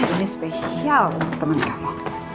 ini spesial untuk teman kamu